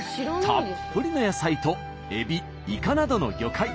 たっぷりの野菜とエビイカなどの魚介。